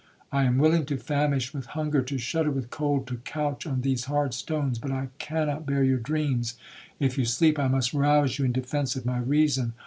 I am willing to famish with hunger, to shudder with cold, to couch on these hard stones, but I cannot bear your dreams,—if you sleep, I must rouse you in defence of my reason.